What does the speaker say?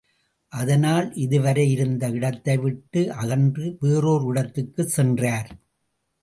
அதனால், இதுவரை இருந்த இடத்தை விட்டு அகன்று வேறோர் இடத்துக்குச் சென்றார்.